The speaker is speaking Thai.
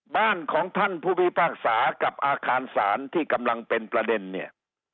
บ้านของท่านผู้พิพากษากับอาคารศาลที่กำลังเป็นประเด็นเนี่ย